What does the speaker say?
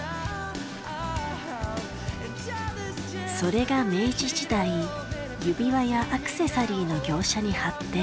それが明治時代指輪やアクセサリーの業者に発展。